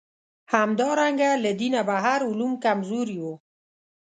همدارنګه له دینه بهر علوم کمزوري وو.